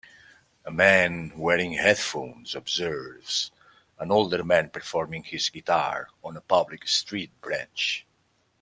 An man wearing headphones observes an older man performing his guitar on a public street bench.